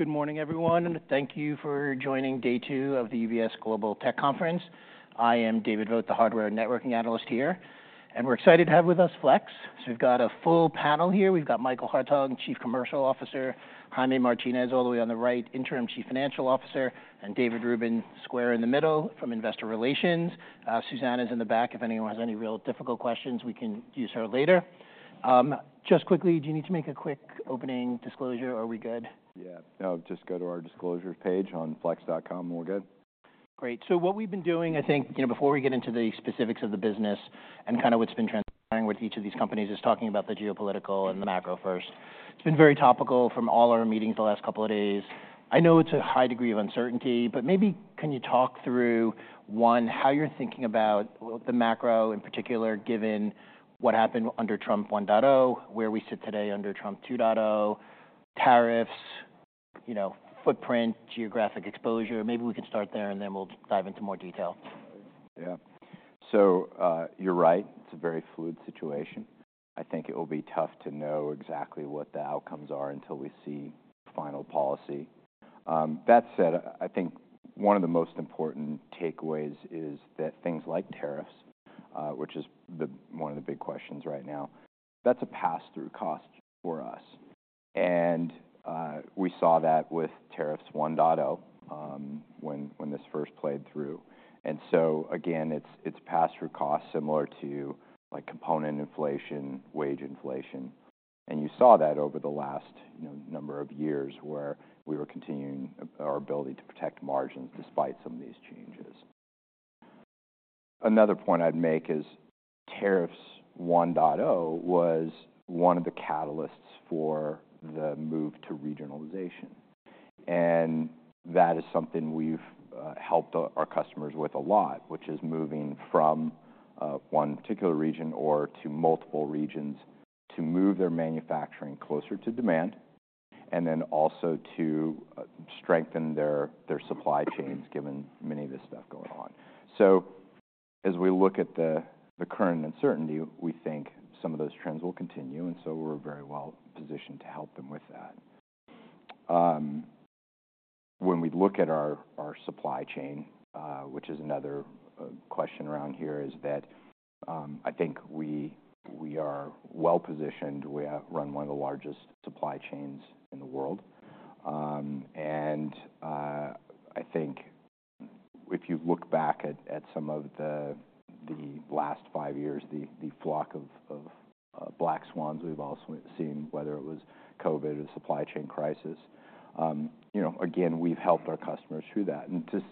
Good morning, everyone, and thank you for joining Day Two of the UBS Global Tech Conference. I am David Vogt, the hardware networking analyst here, and we're excited to have with us Flex. So we've got a full panel here. We've got Michael Hartung, Chief Commercial Officer, Jaime Martinez, all the way on the right, Interim Chief Financial Officer, and David Rubin, square in the middle from Investor Relations. Suzanne is in the back. If anyone has any real difficult questions, we can use her later. Just quickly, do you need to make a quick opening disclosure, or are we good? Yeah, no, just go to our disclosure page on flex.com, and we're good. Great, so what we've been doing, I think, you know, before we get into the specifics of the business and kind of what's been transpiring with each of these companies, is talking about the geopolitical and the macro first. It's been very topical from all our meetings the last couple of days. I know it's a high degree of uncertainty, but maybe can you talk through, one, how you're thinking about the macro in particular, given what happened under Trump 1.0, where we sit today under Trump 2.0, tariffs, you know, footprint, geographic exposure? Maybe we can start there, and then we'll dive into more detail. Yeah. So you're right. It's a very fluid situation. I think it will be tough to know exactly what the outcomes are until we see final policy. That said, I think one of the most important takeaways is that things like tariffs, which is one of the big questions right now, that's a pass-through cost for us. And we saw that with tariffs 1.0 when this first played through. And so, again, it's pass-through costs similar to, like, component inflation, wage inflation. And you saw that over the last number of years where we were continuing our ability to protect margins despite some of these changes. Another point I'd make is tariffs 1.0 was one of the catalysts for the move to regionalization. That is something we've helped our customers with a lot, which is moving from one particular region or to multiple regions to move their manufacturing closer to demand, and then also to strengthen their supply chains, given many of this stuff going on. As we look at the current uncertainty, we think some of those trends will continue, and so we're very well positioned to help them with that. When we look at our supply chain, which is another question around here, is that I think we are well positioned. We run one of the largest supply chains in the world. I think if you look back at some of the last five years, the flock of black swans we've also seen, whether it was COVID or the supply chain crisis, you know, again, we've helped our customers through that. Just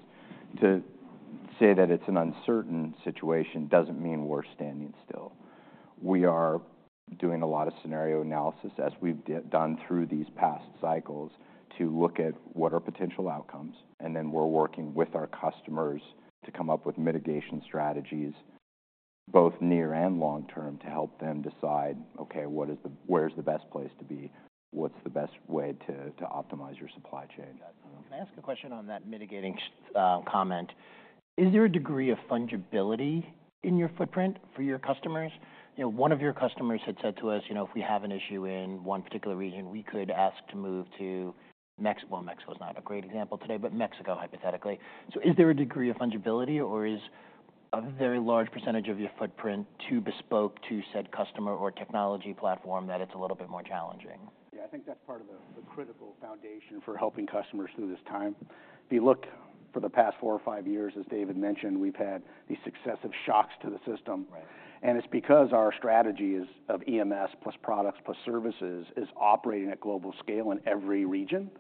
to say that it's an uncertain situation doesn't mean we're standing still. We are doing a lot of scenario analysis, as we've done through these past cycles, to look at what are potential outcomes. Then we're working with our customers to come up with mitigation strategies, both near and long term, to help them decide, okay, where's the best place to be, what's the best way to optimize your supply chain. Can I ask a question on that mitigating comment? Is there a degree of fungibility in your footprint for your customers? You know, one of your customers had said to us, you know, if we have an issue in one particular region, we could ask to move to Mexico. Mexico's not a great example today, but Mexico, hypothetically. So is there a degree of fungibility, or is a very large percentage of your footprint too bespoke to said customer or technology platform that it's a little bit more challenging? Yeah, I think that's part of the critical foundation for helping customers through this time. If you look for the past four or five years, as David mentioned, we've had these successive shocks to the system. And it's because our strategy is of EMS plus products plus services is operating at global scale in every region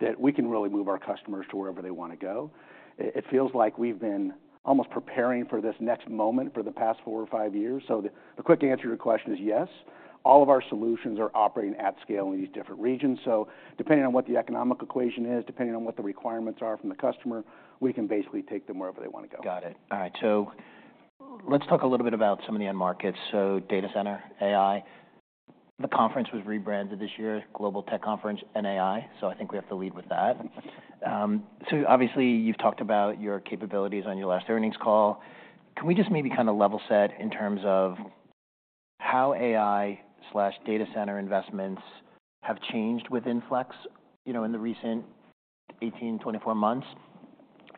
that we can really move our customers to wherever they want to go. It feels like we've been almost preparing for this next moment for the past four or five years. So the quick answer to your question is yes. All of our solutions are operating at scale in these different regions. So depending on what the economic equation is, depending on what the requirements are from the customer, we can basically take them wherever they want to go. Got it. All right. So let's talk a little bit about some of the end markets. So data center, AI. The conference was rebranded this year, Global Tech Conference and AI, so I think we have to lead with that. So obviously, you've talked about your capabilities on your last earnings call. Can we just maybe kind of level set in terms of how AI/data center investments have changed within Flex, you know, in the recent 18-24 months?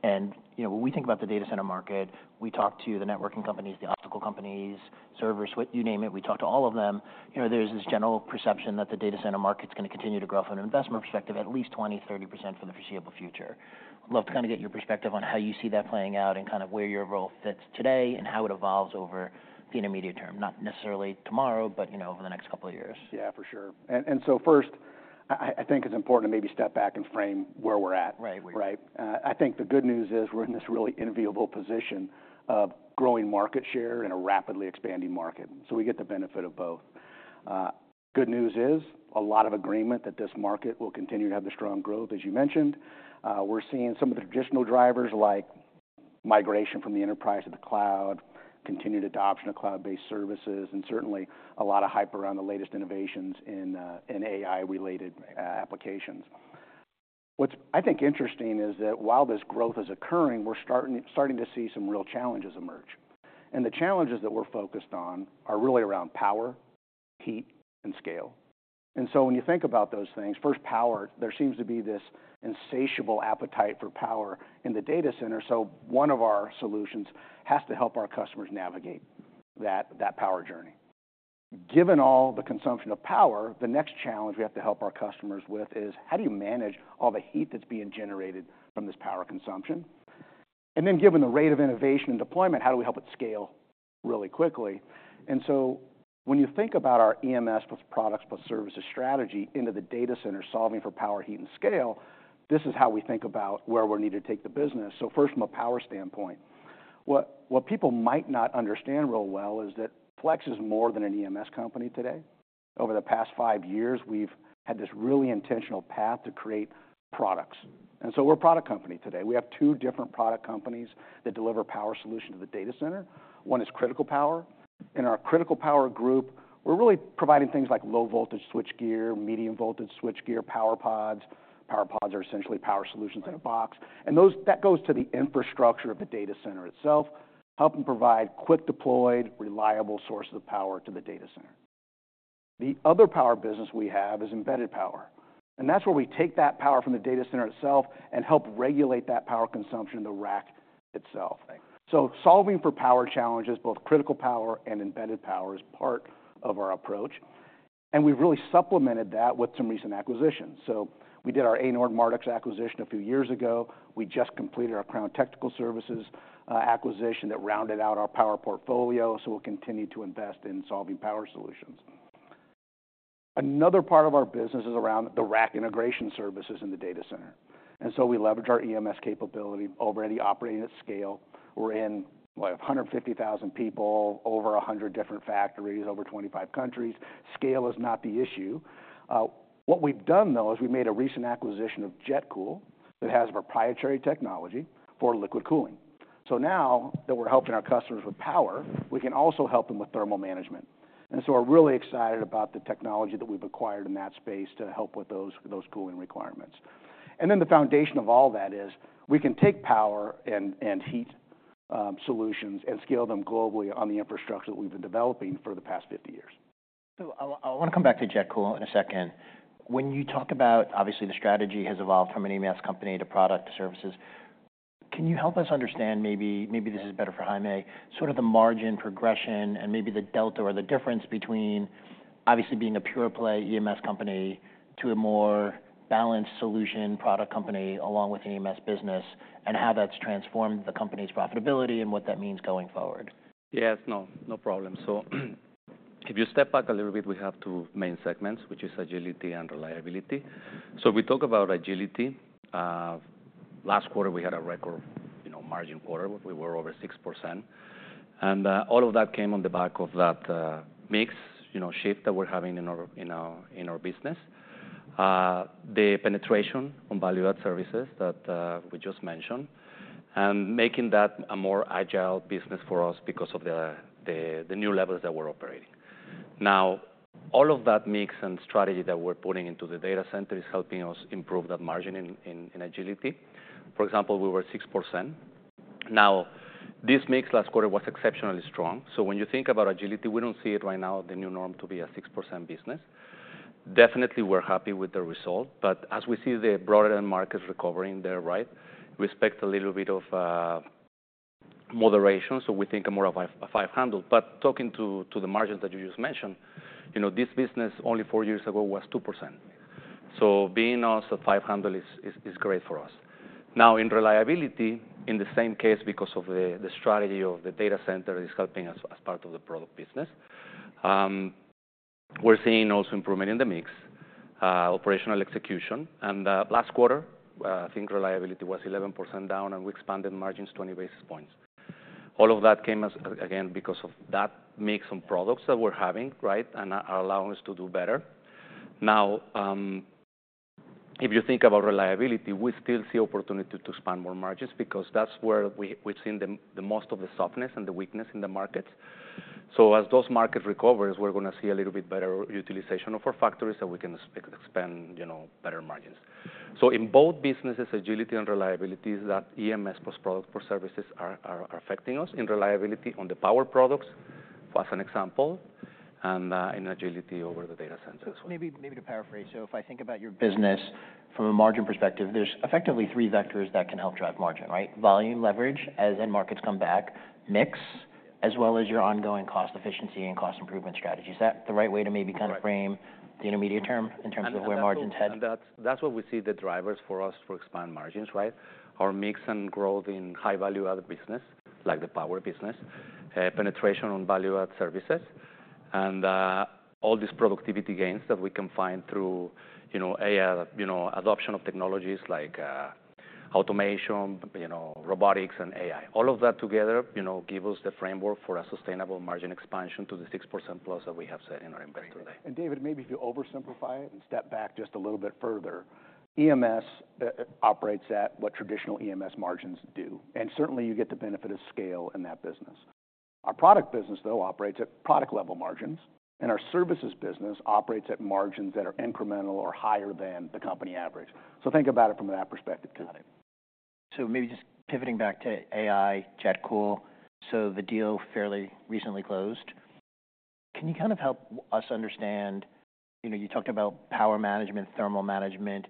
And, you know, when we think about the data center market, we talk to the networking companies, the optical companies, servers, you name it, we talk to all of them. You know, there's this general perception that the data center market's going to continue to grow from an investment perspective, at least 20%-30% for the foreseeable future. I'd love to kind of get your perspective on how you see that playing out and kind of where your role fits today and how it evolves over the intermediate term, not necessarily tomorrow, but, you know, over the next couple of years. Yeah, for sure. And so first, I think it's important to maybe step back and frame where we're at, right? I think the good news is we're in this really enviable position of growing market share in a rapidly expanding market. So we get the benefit of both. The good news is a lot of agreement that this market will continue to have the strong growth, as you mentioned. We're seeing some of the traditional drivers like migration from the enterprise to the cloud, continued adoption of cloud-based services, and certainly a lot of hype around the latest innovations in AI-related applications. What's, I think, interesting is that while this growth is occurring, we're starting to see some real challenges emerge. And the challenges that we're focused on are really around power, heat, and scale. And so when you think about those things, first, power, there seems to be this insatiable appetite for power in the data center. So one of our solutions has to help our customers navigate that power journey. Given all the consumption of power, the next challenge we have to help our customers with is how do you manage all the heat that's being generated from this power consumption? And then given the rate of innovation and deployment, how do we help it scale really quickly? And so when you think about our EMS plus products plus services strategy into the data center solving for power, heat, and scale, this is how we think about where we need to take the business. So first, from a power standpoint, what people might not understand real well is that Flex is more than an EMS company today. Over the past five years, we've had this really intentional path to create products. And so we're a product company today. We have two different product companies that deliver power solutions to the data center. One is critical power. In our critical power group, we're really providing things like low-voltage switchgear, medium-voltage switchgear, power pods. Power pods are essentially power solutions in a box. And that goes to the infrastructure of the data center itself, helping provide quick-deployed, reliable sources of power to the data center. The other power business we have is embedded power. And that's where we take that power from the data center itself and help regulate that power consumption in the rack itself. So solving for power challenges, both critical power and embedded power, is part of our approach. And we've really supplemented that with some recent acquisitions. We did our Anord Mardix acquisition a few years ago. We just completed our Crown Technical Systems acquisition that rounded out our power portfolio, so we'll continue to invest in solving power solutions. Another part of our business is around the rack integration services in the data center. And so we leverage our EMS capability already operating at scale. We're in, what, 150,000 people, over 100 different factories, over 25 countries. Scale is not the issue. What we've done, though, is we made a recent acquisition of JetCool that has proprietary technology for liquid cooling. So now that we're helping our customers with power, we can also help them with thermal management. And so we're really excited about the technology that we've acquired in that space to help with those cooling requirements. And then the foundation of all that is we can take power and heat solutions and scale them globally on the infrastructure that we've been developing for the past 50 years. So I want to come back to JetCool in a second. When you talk about, obviously, the strategy has evolved from an EMS company to product services, can you help us understand, maybe this is better for Jaime, sort of the margin progression and maybe the delta or the difference between, obviously, being a pure-play EMS company to a more balanced solution product company along with an EMS business and how that's transformed the company's profitability and what that means going forward? Yes, no, no problem. So if you step back a little bit, we have two main segments, which is Agility and Reliability. So if we talk about Agility, last quarter we had a record, you know, margin quarter. We were over 6%. And all of that came on the back of that mix shift that we're having in our business, the penetration on value-add services that we just mentioned, and making that a more agile business for us because of the new levels that we're operating. Now, all of that mix and strategy that we're putting into the data center is helping us improve that margin in Agility. For example, we were 6%. Now, this mix last quarter was exceptionally strong. So when you think about Agility, we don't see it right now as the new norm to be a 6% business. Definitely, we're happy with the result. But as we see the broader end markets recovering there, right, we expect a little bit of moderation. So we think more of a five-handle. But talking to the margins that you just mentioned, you know, this business only four years ago was 2%. So being on a five-handle is great for us. Now, in Reliability, in the same case, because of the strategy of the data center is helping us as part of the product business, we're seeing also improvement in the mix, operational execution. And last quarter, I think Reliability was 11% down, and we expanded margins 20 basis points. All of that came, again, because of that mix on products that we're having, right, and are allowing us to do better. Now, if you think about Reliability, we still see opportunity to expand more margins because that's where we've seen the most of the softness and the weakness in the markets. So as those markets recover, we're going to see a little bit better utilization of our factories so we can expand, you know, better margins. So in both businesses, Agility and Reliability is that EMS plus products plus services are affecting us. In Reliability on the power products, as an example, and in Agility over the data centers. Maybe to paraphrase, so if I think about your business from a margin perspective, there's effectively three vectors that can help drive margin, right? Volume, leverage, as end markets come back, mix, as well as your ongoing cost efficiency and cost improvement strategy. Is that the right way to maybe kind of frame the intermediate term in terms of where margins head? That's what we see the drivers for us to expand margins, right? Our mix and growth in high-value-add business, like the power business, penetration on value-add services, and all these productivity gains that we can find through, you know, adoption of technologies like automation, you know, robotics and AI. All of that together, you know, gives us the framework for a sustainable margin expansion to the 6%+ that we have set in our Investor Day. And David, maybe if you oversimplify it and step back just a little bit further, EMS operates at what traditional EMS margins do. And certainly, you get the benefit of scale in that business. Our product business, though, operates at product-level margins, and our services business operates at margins that are incremental or higher than the company average. So think about it from that perspective too. Got it, so maybe just pivoting back to AI, JetCool. So the deal fairly recently closed. Can you kind of help us understand, you know, you talked about power management, thermal management.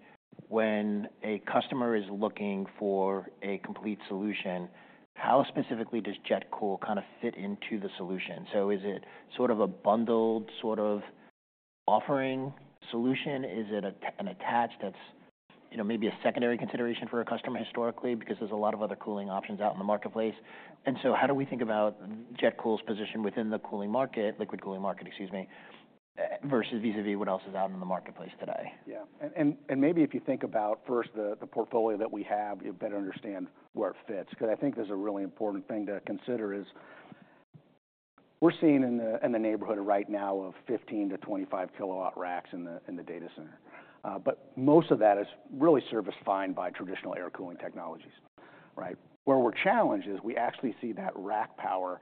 When a customer is looking for a complete solution, how specifically does JetCool kind of fit into the solution? So is it sort of a bundled sort of offering solution? Is it an attached that's, you know, maybe a secondary consideration for a customer historically because there's a lot of other cooling options out in the marketplace? And so how do we think about JetCool's position within the cooling market, liquid cooling market, excuse me, versus vis-à-vis what else is out in the marketplace today? Yeah, and maybe if you think about first the portfolio that we have, you better understand where it fits. Because I think there's a really important thing to consider, is we're seeing in the neighborhood right now of 15-25 kilowatt racks in the data center. But most of that is really served by traditional air cooling technologies, right? Where we're challenged is we actually see that rack power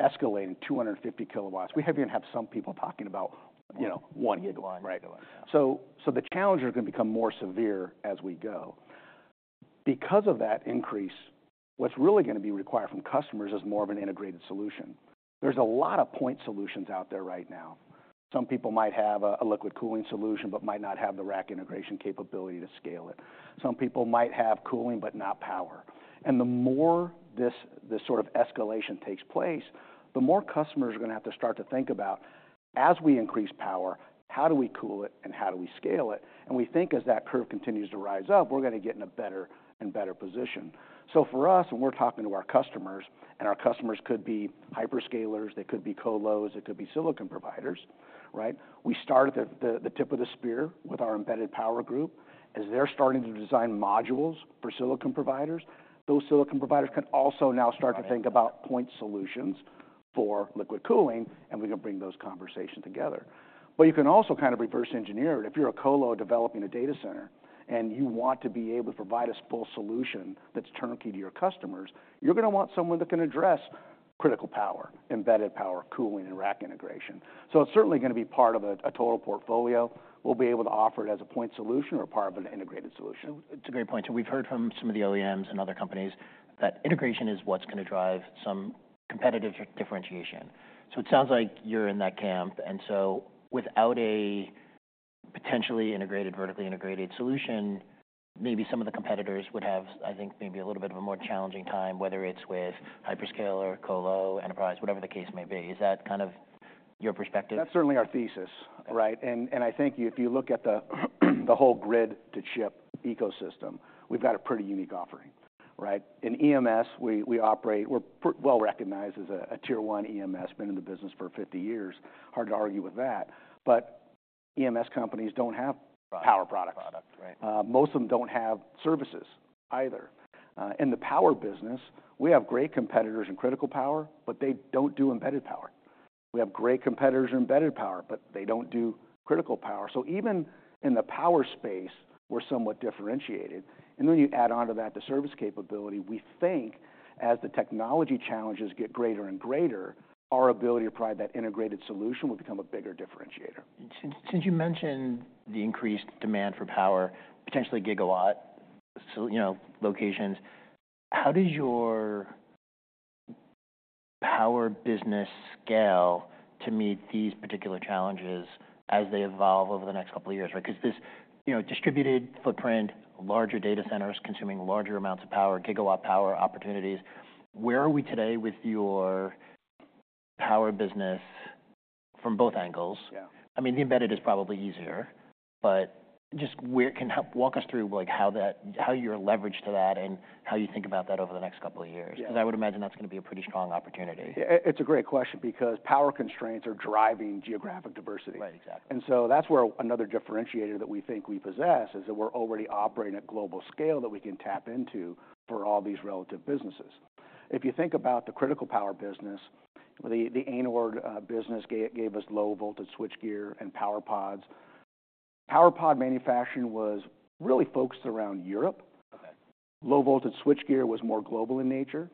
escalate to 250 kilowatts. We even have some people talking about, you know, one gigawatt. So the challenges are going to become more severe as we go. Because of that increase, what's really going to be required from customers is more of an integrated solution. There's a lot of point solutions out there right now. Some people might have a liquid cooling solution but might not have the rack integration capability to scale it. Some people might have cooling but not power, and the more this sort of escalation takes place, the more customers are going to have to start to think about, as we increase power, how do we cool it and how do we scale it, and we think as that curve continues to rise up, we're going to get in a better and better position, so for us, when we're talking to our customers, and our customers could be hyperscalers, they could be colos, it could be silicon providers, right, we start at the tip of the spear with our embedded power group. As they're starting to design modules for silicon providers, those silicon providers can also now start to think about point solutions for liquid cooling, and we can bring those conversations together, but you can also kind of reverse engineer it. If you're a colo developing a data center and you want to be able to provide a full solution that's turnkey to your customers, you're going to want someone that can address critical power, embedded power, cooling, and rack integration. So it's certainly going to be part of a total portfolio. We'll be able to offer it as a point solution or a part of an integrated solution. It's a great point. So we've heard from some of the OEMs and other companies that integration is what's going to drive some competitive differentiation. So it sounds like you're in that camp. And so without a potentially integrated, vertically integrated solution, maybe some of the competitors would have, I think, maybe a little bit of a more challenging time, whether it's with hyperscaler, colo, enterprise, whatever the case may be. Is that kind of your perspective? That's certainly our thesis, right? And I think if you look at the whole grid-to-chip ecosystem, we've got a pretty unique offering, right? In EMS, we operate, we're well recognized as a tier-one EMS, been in the business for 50 years. Hard to argue with that. But EMS companies don't have power products. Most of them don't have services either. In the power business, we have great competitors in critical power, but they don't do embedded power. We have great competitors in embedded power, but they don't do critical power. So even in the power space, we're somewhat differentiated. And then you add on to that the service capability. We think as the technology challenges get greater and greater, our ability to provide that integrated solution will become a bigger differentiator. Since you mentioned the increased demand for power, potentially gigawatt, you know, locations, how does your power business scale to meet these particular challenges as they evolve over the next couple of years, right? Because this, you know, distributed footprint, larger data centers consuming larger amounts of power, gigawatt power opportunities. Where are we today with your power business from both angles? I mean, the embedded is probably easier, but just can walk us through how you're leveraged to that and how you think about that over the next couple of years. Because I would imagine that's going to be a pretty strong opportunity. It's a great question because power constraints are driving geographic diversity, and so that's where another differentiator that we think we possess is that we're already operating at global scale that we can tap into for all these relative businesses. If you think about the critical power business, the Anord Mardix business gave us low-voltage switchgear and power pods. Power pod manufacturing was really focused around Europe. Low-voltage switchgear was more global in nature.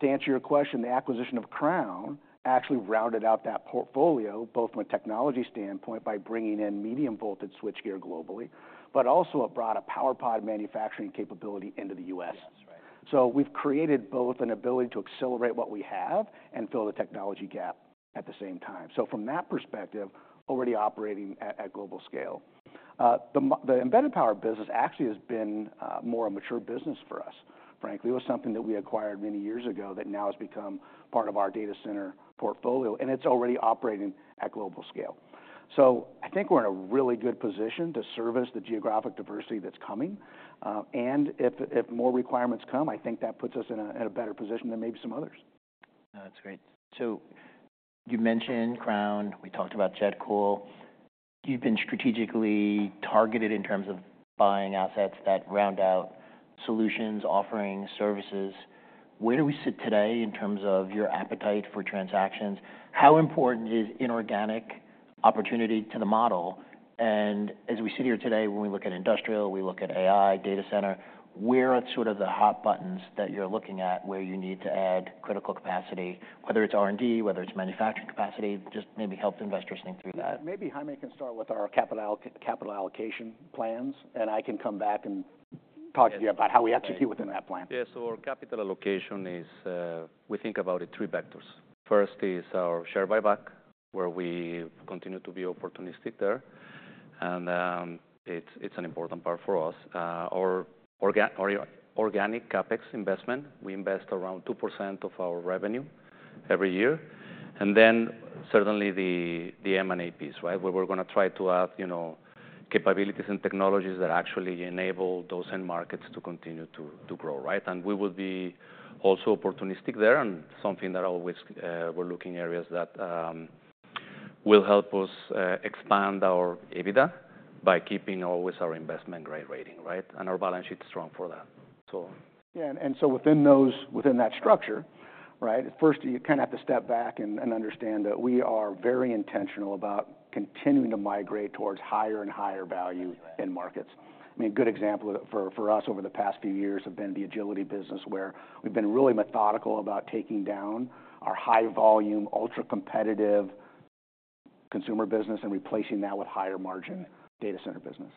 To answer your question, the acquisition of Crown actually rounded out that portfolio both from a technology standpoint by bringing in medium-voltage switchgear globally, but also it brought a power pod manufacturing capability into the U.S. So we've created both an ability to accelerate what we have and fill the technology gap at the same time, so from that perspective, already operating at global scale. The embedded power business actually has been more a mature business for us, frankly. It was something that we acquired many years ago that now has become part of our data center portfolio, and it's already operating at global scale, so I think we're in a really good position to service the geographic diversity that's coming, and if more requirements come, I think that puts us in a better position than maybe some others. That's great. So you mentioned Crown. We talked about JetCool. You've been strategically targeted in terms of buying assets that round out solutions, offerings, services. Where do we sit today in terms of your appetite for transactions? How important is inorganic opportunity to the model? And as we sit here today, when we look at industrial, we look at AI, data center, where are sort of the hot buttons that you're looking at where you need to add critical capacity, whether it's R&D, whether it's manufacturing capacity, just maybe help investors think through that? Maybe Jaime can start with our capital allocation plans, and I can come back and talk to you about how we execute within that plan. Yes. So our capital allocation is. We think about it three vectors. First is our share buyback, where we continue to be opportunistic there. And it's an important part for us. Our organic CapEx investment. We invest around 2% of our revenue every year. And then certainly the M&A piece, right, where we're going to try to add, you know, capabilities and technologies that actually enable those end markets to continue to grow, right? And we will be also opportunistic there. And something that always we're looking at areas that will help us expand our EBITDA by keeping always our investment grade rating, right? And our balance sheet is strong for that. Yeah. And so within that structure, right, first you kind of have to step back and understand that we are very intentional about continuing to migrate towards higher and higher value in markets. I mean, a good example for us over the past few years have been the Agility business, where we've been really methodical about taking down our high-volume, ultra-competitive consumer business and replacing that with higher margin data center business.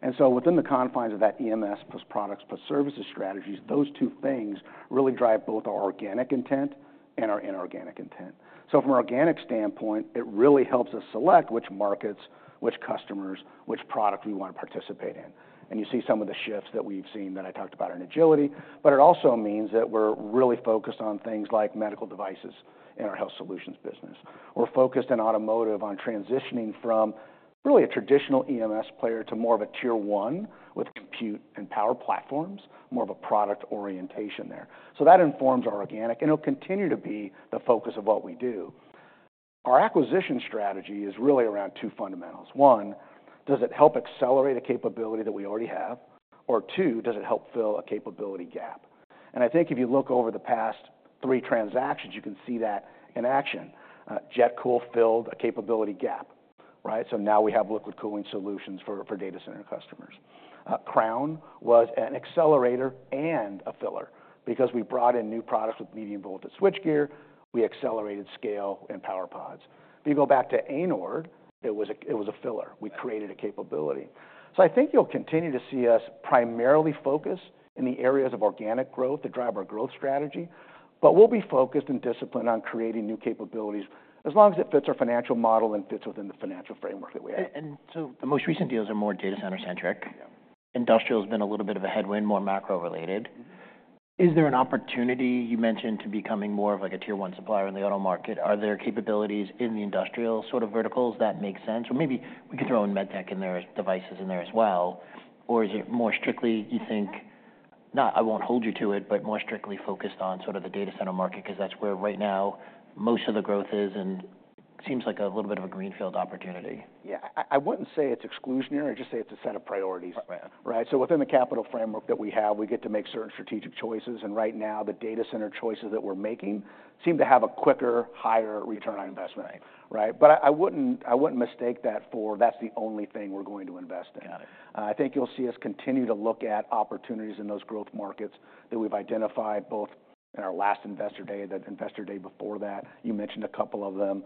And so within the confines of that EMS plus products plus services strategies, those two things really drive both our organic intent and our inorganic intent. So from an organic standpoint, it really helps us select which markets, which customers, which products we want to participate in. And you see some of the shifts that we've seen that I talked about in Agility. But it also means that we're really focused on things like medical devices in our health solutions business. We're focused in automotive on transitioning from really a traditional EMS player to more of a Tier One with compute and power platforms, more of a product orientation there. So that informs our organic, and it'll continue to be the focus of what we do. Our acquisition strategy is really around two fundamentals. One, does it help accelerate a capability that we already have? Or two, does it help fill a capability gap? And I think if you look over the past three transactions, you can see that in action. JetCool filled a capability gap, right? So now we have liquid cooling solutions for data center customers. Crown was an accelerator and a filler because we brought in new products with medium-voltage switchgear. We accelerated scale and power pods. If you go back to Anord Mardix, it was a filler. We created a capability. So I think you'll continue to see us primarily focus in the areas of organic growth to drive our growth strategy. But we'll be focused and disciplined on creating new capabilities as long as it fits our financial model and fits within the financial framework that we have. And so the most recent deals are more data center-centric. Industrial has been a little bit of a headwind, more macro-related. Is there an opportunity you mentioned to becoming more of like a tier-one supplier in the auto market? Are there capabilities in the industrial sort of verticals that make sense? Or maybe we can throw in MedTech and their devices in there as well. Or is it more strictly, you think, not I won't hold you to it, but more strictly focused on sort of the data center market because that's where right now most of the growth is and seems like a little bit of a greenfield opportunity? Yeah. I wouldn't say it's exclusionary. I just say it's a set of priorities, right? So within the capital framework that we have, we get to make certain strategic choices. And right now, the data center choices that we're making seem to have a quicker, higher return on investment, right? But I wouldn't mistake that for that's the only thing we're going to invest in. I think you'll see us continue to look at opportunities in those growth markets that we've identified both in our last investor day, the investor day before that. You mentioned a couple of them,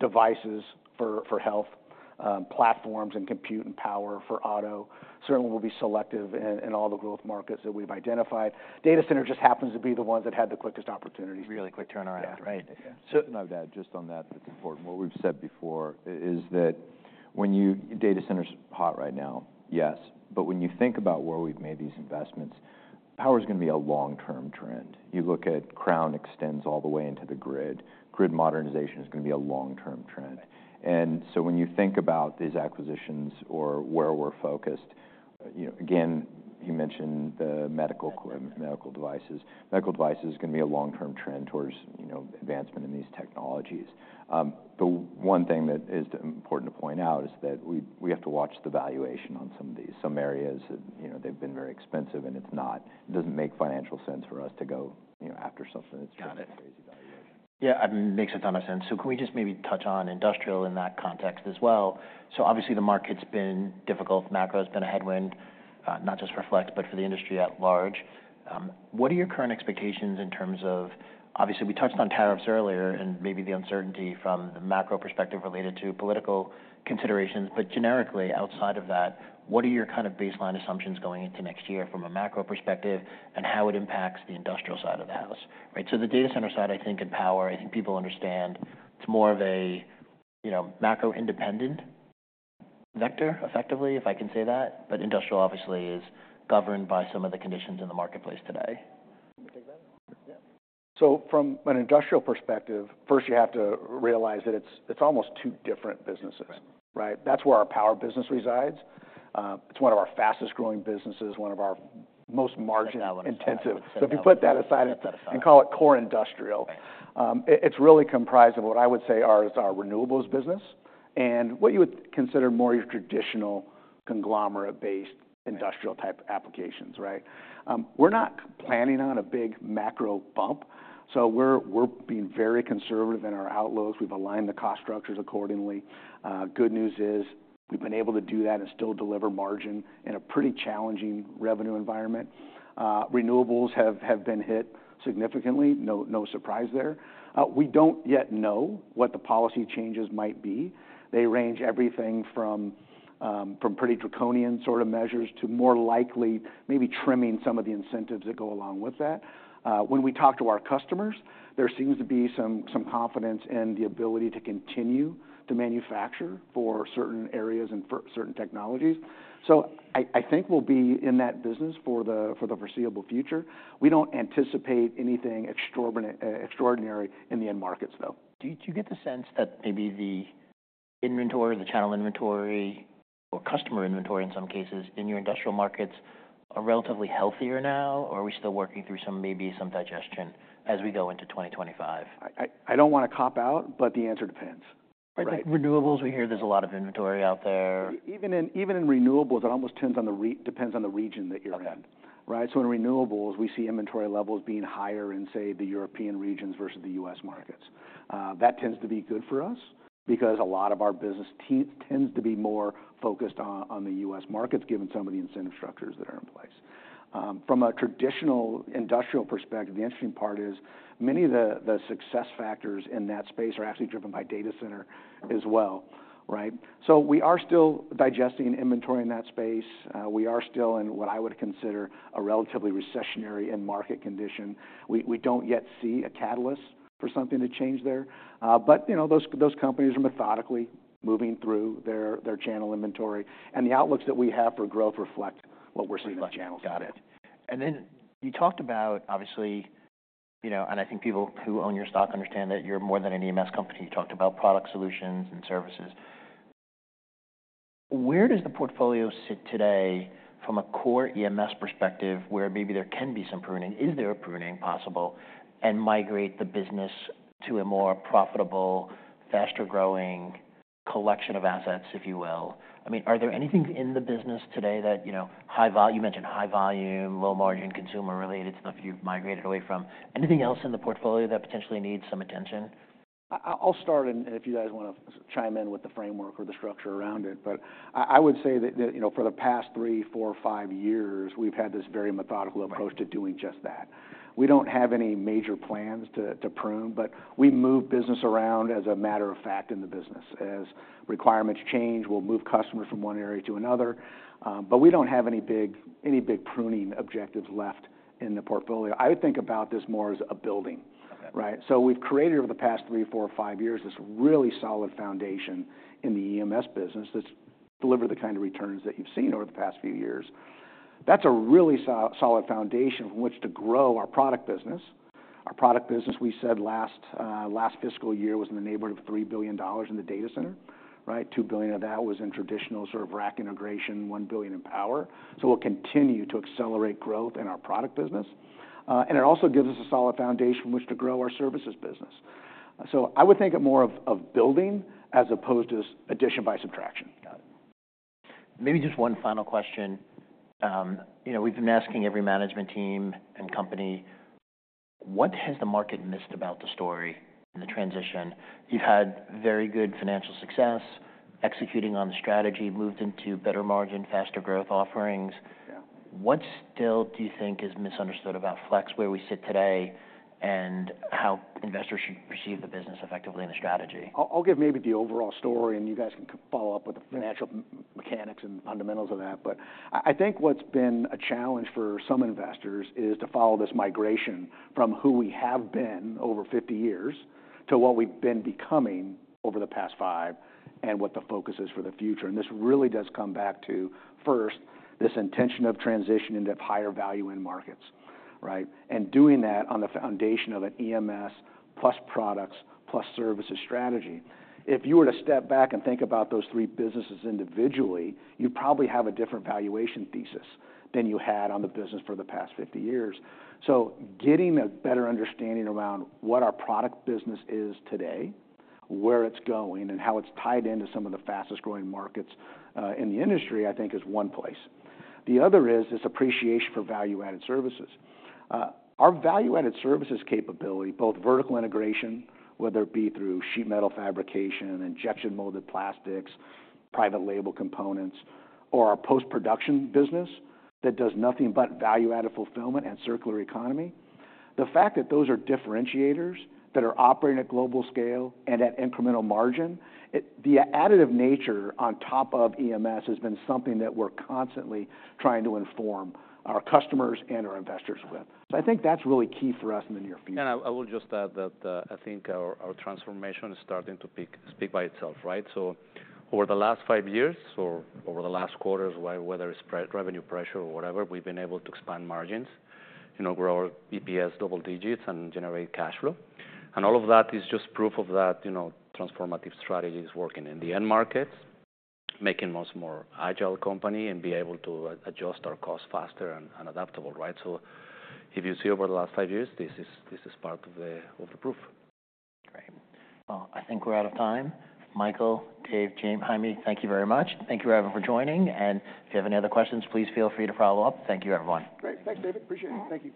devices for health, platforms and compute and power for auto. Certainly, we'll be selective in all the growth markets that we've identified. Data center just happens to be the ones that had the quickest opportunity. Really quick turnaround, right? Yeah. So I would add just on that, it's important. What we've said before is that when the data center's hot right now, yes. But when you think about where we've made these investments, power is going to be a long-term trend. You look at Crown extends all the way into the grid. Grid modernization is going to be a long-term trend. And so when you think about these acquisitions or where we're focused, you know, again, you mentioned the medical devices. Medical devices is going to be a long-term trend towards advancement in these technologies. The one thing that is important to point out is that we have to watch the valuation on some of these. Some areas, you know, they've been very expensive and it's not, it doesn't make financial sense for us to go after something that's got a crazy valuation. Yeah. It makes a ton of sense. So can we just maybe touch on industrial in that context as well? So obviously the market's been difficult. Macro has been a headwind, not just for Flex, but for the industry at large. What are your current expectations in terms of, obviously we touched on tariffs earlier and maybe the uncertainty from the macro perspective related to political considerations, but generically outside of that, what are your kind of baseline assumptions going into next year from a macro perspective and how it impacts the industrial side of the house, right? So the data center side, I think, and power, I think people understand it's more of a, you know, macro-independent vector, effectively, if I can say that. But industrial obviously is governed by some of the conditions in the marketplace today. So from an industrial perspective, first you have to realize that it's almost two different businesses, right? That's where our power business resides. It's one of our fastest growing businesses, one of our most margin intensive. So if you put that aside and call it core industrial, it's really comprised of what I would say are our renewables business and what you would consider more your traditional conglomerate-based industrial type applications, right? We're not planning on a big macro bump. So we're being very conservative in our outlooks. We've aligned the cost structures accordingly. Good news is we've been able to do that and still deliver margin in a pretty challenging revenue environment. Renewables have been hit significantly. No surprise there. We don't yet know what the policy changes might be. They range everything from pretty draconian sort of measures to more likely maybe trimming some of the incentives that go along with that. When we talk to our customers, there seems to be some confidence in the ability to continue to manufacture for certain areas and certain technologies. So I think we'll be in that business for the foreseeable future. We don't anticipate anything extraordinary in the end markets though. Do you get the sense that maybe the inventory, the channel inventory, or customer inventory in some cases in your industrial markets are relatively healthier now, or are we still working through some digestion as we go into 2025? I don't want to cop out, but the answer depends. Renewables, we hear there's a lot of inventory out there. Even in renewables, it almost depends on the region that you're in, right, so in renewables, we see inventory levels being higher in, say, the European regions versus the U.S. markets. That tends to be good for us because a lot of our business tends to be more focused on the U.S. markets given some of the incentive structures that are in place. From a traditional industrial perspective, the interesting part is many of the success factors in that space are actually driven by data center as well, right, so we are still digesting inventory in that space. We are still in what I would consider a relatively recessionary end market condition. We don't yet see a catalyst for something to change there, but you know, those companies are methodically moving through their channel inventory, and the outlooks that we have for growth reflect what we're seeing in the channels. Got it. And then you talked about, obviously, you know, and I think people who own your stock understand that you're more than an EMS company. You talked about product solutions and services. Where does the portfolio sit today from a core EMS perspective where maybe there can be some pruning? Is there a pruning possible and migrate the business to a more profitable, faster growing collection of assets, if you will? I mean, are there anything in the business today that, you know, high volume, you mentioned high volume, low margin consumer-related stuff you've migrated away from. Anything else in the portfolio that potentially needs some attention? I'll start, and if you guys want to chime in with the framework or the structure around it, but I would say that, you know, for the past three, four, five years, we've had this very methodical approach to doing just that. We don't have any major plans to prune, but we move business around as a matter of fact in the business. As requirements change, we'll move customers from one area to another. But we don't have any big pruning objectives left in the portfolio. I would think about this more as a building, right? So we've created over the past three, four, five years this really solid foundation in the EMS business that's delivered the kind of returns that you've seen over the past few years. That's a really solid foundation from which to grow our product business. Our product business, we said last fiscal year was in the neighborhood of $3 billion in the data center, right? $2 billion of that was in traditional sort of rack integration, $1 billion in power. So we'll continue to accelerate growth in our product business. And it also gives us a solid foundation from which to grow our services business. So I would think of more of building as opposed to addition by subtraction. Maybe just one final question. You know, we've been asking every management team and company, what has the market missed about the story and the transition? You've had very good financial success, executing on the strategy, moved into better margin, faster growth offerings. What still do you think is misunderstood about Flex, where we sit today, and how investors should perceive the business effectively and the strategy? I'll give maybe the overall story, and you guys can follow up with the financial mechanics and fundamentals of that. But I think what's been a challenge for some investors is to follow this migration from who we have been over 50 years to what we've been becoming over the past five and what the focus is for the future. And this really does come back to, first, this intention of transition into higher value in markets, right? And doing that on the foundation of an EMS plus products plus services strategy. If you were to step back and think about those three businesses individually, you probably have a different valuation thesis than you had on the business for the past 50 years. So getting a better understanding around what our product business is today, where it's going, and how it's tied into some of the fastest growing markets in the industry, I think is one place. The other is this appreciation for value-added services. Our value-added services capability, both vertical integration, whether it be through sheet metal fabrication, injection molded plastics, private label components, or our post-production business that does nothing but value-added fulfillment and circular economy, the fact that those are differentiators that are operating at global scale and at incremental margin, the additive nature on top of EMS has been something that we're constantly trying to inform our customers and our investors with. So I think that's really key for us in the near future. I will just add that I think our transformation is starting to speak by itself, right? So over the last five years or over the last quarters, whether it's revenue pressure or whatever, we've been able to expand margins, you know, grow our EPS double digits and generate cash flow. And all of that is just proof of that, you know, transformative strategy is working in the end markets, making us more agile company and be able to adjust our cost faster and adaptable, right? So if you see over the last five years, this is part of the proof. Great. Well, I think we're out of time. Michael, Dave, James, Jaime, thank you very much. Thank you everyone for joining. And if you have any other questions, please feel free to follow up. Thank you, everyone. Great. Thanks, David. Appreciate it. Thank you.